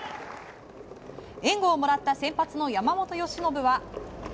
援護をもらった先発の山本由伸は。